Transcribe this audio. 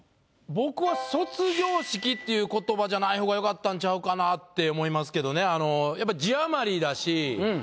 僕は「卒業式」っていう言葉じゃない方が良かったんちゃうかなって思いますけどね。